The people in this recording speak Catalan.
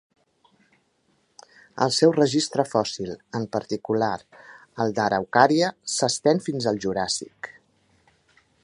El seu registre fòssil, en particular el d'Araucària, s'estén fins al Juràssic.